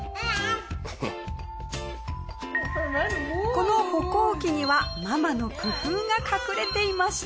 この歩行器にはママの工夫が隠れていました。